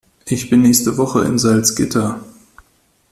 Ich bin nächste Woche in Salzgitter